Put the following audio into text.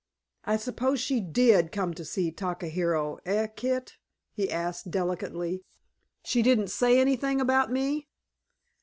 "I suppose she DID come to see Takahiro, eh, Kit?" he asked delicately. "She didn't say anything about me?"